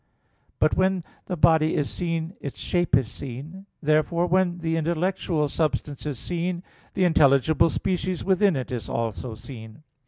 But when the body is seen its shape is seen. Therefore, when an intellectual substance is seen, the intelligible species within it is also seen.